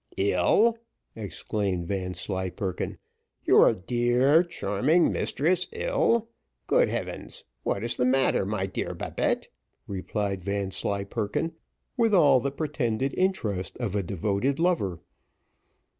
"Ill!" exclaimed Vanslyperken; "your dear, charming mistress ill! Good heavens! what is the matter, my dear Babette?" replied Vanslyperken, with all the pretended interest of a devoted lover.